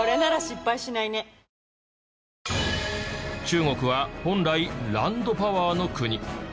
中国は本来ランドパワーの国。